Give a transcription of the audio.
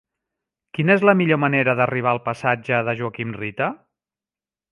Quina és la millor manera d'arribar al passatge de Joaquim Rita?